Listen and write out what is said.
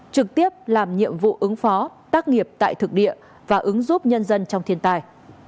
trực tiếp làm nhiệm vụ ứng phó tác nghiệp tại thực địa và ứng giúp nhân dân trong thiên tài